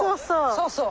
そうそう！